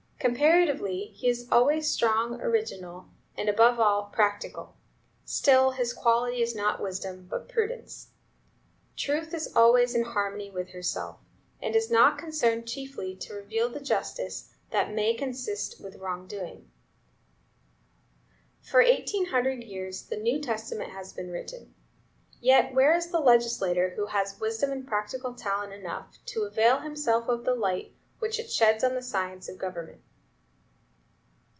Comparatively, he is always strong, original, and, above all, practical; still his quality is not wisdom, but prudence. Truth is always in harmony with herself, and is not concerned chiefly to reveal the justice that may consist with wrong doing. For eighteen hundred years the New Testament has been written; yet where is the legislator who has wisdom and practical talent enough to avail himself of the light which it sheds on the science of government?"